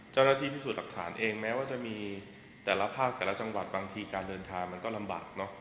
เจ้าหน้าที่พิสูจน์หลักฐานเองแม้ว่าจะมีแต่ละภาคแต่ละจังหวัดบางทีการเดินทางมันก็ลำบากเนอะ